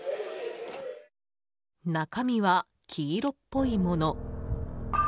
中身は黄色っぽいもの。